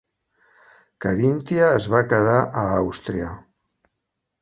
Carinthia es va quedar a Àustria.